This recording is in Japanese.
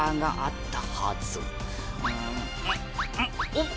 おっ！